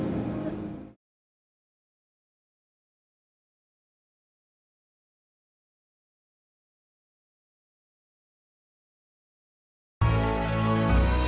ya udah gue cemburu banget sama lo